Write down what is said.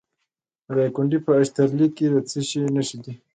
د دایکنډي په اشترلي کې د څه شي نښې دي؟